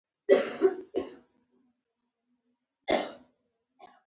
هغه ویل یار لکه د عطرو کاروبار دی